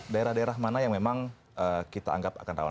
daerah daerah mana yang memang kita anggap akan rawan